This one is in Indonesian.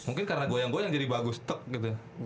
mungkin karena goyang goyang jadi bagus tek gitu ya